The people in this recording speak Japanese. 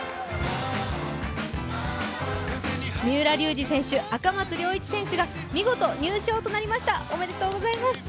三浦龍司選手、赤松諒一選手が見事入賞となりました、おめでとうございます。